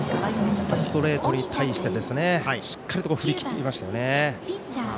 ストレートに対してしっかりと振り切りましたね。